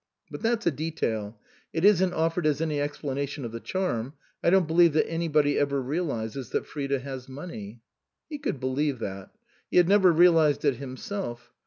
But that's a detail. It isn't offered as any explanation of the charm. I don't believe that anybody ever realizes that Frida has money." He could believe that. He had never realized it himself.